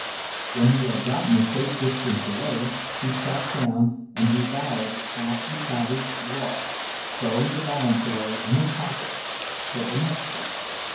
When he had gotten a safe distance away he sat down and devoured half the cabbage raw, stowing the balance away in his pockets till the next day.